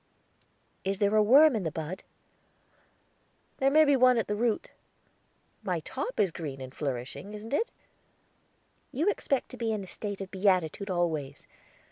"Is there a worm i' the bud?" "There may be one at the root; my top is green and flourishing, isn't it?" "You expect to be in a state of beatitude always.